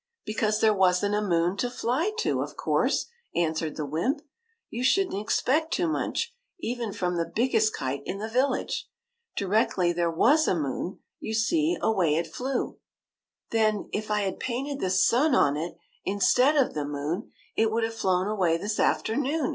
'' Because there was n't a moon to fly to, of course !" answered the wymp. " You should n't expect too much, even from the biggest kite in the village. Directly there was a moon, you see, away it flew." '' Then, if I had painted the sun on it, instead of the moon, it would have flown away this afternoon